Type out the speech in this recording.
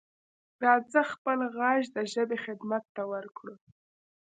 راځه خپل غږ د ژبې خدمت ته ورکړو.